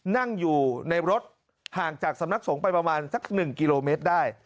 นั่งอยู่ในรถห่างจากสำนักสงฆ์ไปประมาณสัก๑กิโลเมตรได้